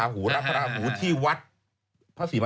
ใหม่